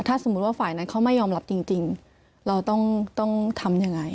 ถ้าสมมุติว่าฝ่ายนั้นเขาไม่ยอมรับจริงเราต้องทำยังไง